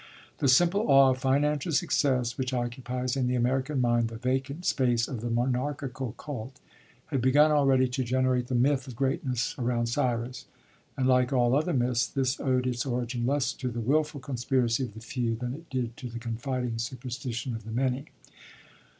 The simple awe of financial success, which occupies in the American mind the vacant space of the monarchical cult, had begun already to generate the myth of greatness around Cyrus, and, like all other myths, this owed its origin less to the wilful conspiracy of the few than it did to the confiding superstition of the many.